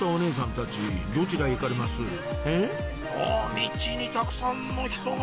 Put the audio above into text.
ミチにたくさんの人が！